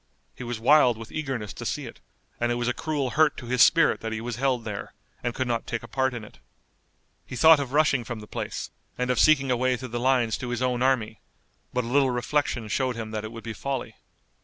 He was wild with eagerness to see it, and it was a cruel hurt to his spirit that he was held there, and could not take a part in it. He thought of rushing from the place, and of seeking a way through the lines to his own army, but a little reflection showed him that it would be folly.